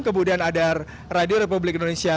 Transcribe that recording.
kemudian ada radio republik indonesia